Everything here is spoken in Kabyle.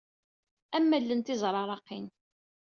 Am wallen tizraraqin.